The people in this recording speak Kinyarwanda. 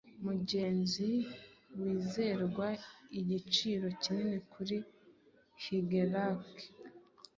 Mugenzi wizerwa Igiciro kinini kuri Higelac